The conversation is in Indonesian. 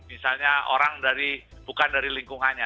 misalnya orang dari bukan dari lingkungannya